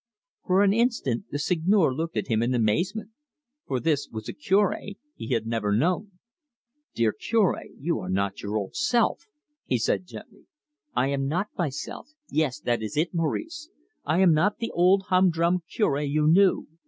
For an instant the Seigneur looked at him in amazement, for this was a Cure he had never known. "Dear Cure, you are not your old self," he said gently. "I am not myself yes, that is it, Maurice. I am not the old humdrum Cure you knew.